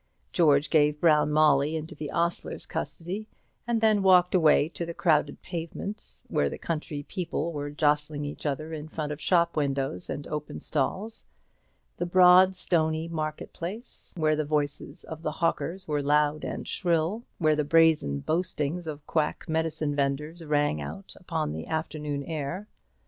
George gave Brown Molly into the ostler's custody, and then walked away to the crowded pavement, where the country people were jostling each other in front of shop windows and open stalls; the broad stony market place, where the voices of the hawkers were loud and shrill, where the brazen boastings of quack medicine vendors rang out upon the afternoon air.